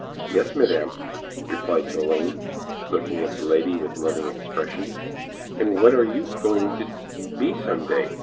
"Yes, Madam," replied Toline, looking at the lady with a loving expression. "And what are you going to be some day?"